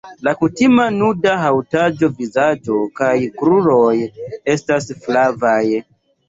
La kutima nuda haŭtaĵo vizaĝo kaj kruroj estas flavaj.